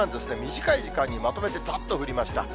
短い時間にまとめてざっと降りました。